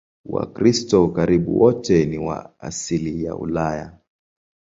Wakristo karibu wote ni wa asili ya Ulaya.